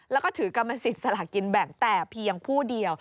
แล้วก็ถือกรรมสิทธิ์สลากินแบ่งแต่เพียงผู้เดียว